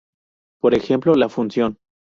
Por ejemplo, la función.